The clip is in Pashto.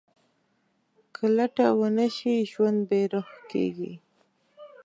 که لټه ونه شي، ژوند بېروح کېږي.